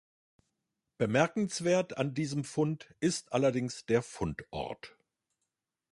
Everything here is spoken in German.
Bemerkenswert an diesem Fund ist allerdings der Fundort.